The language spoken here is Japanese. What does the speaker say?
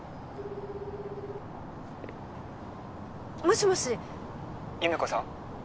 もしもし☎優芽子さん？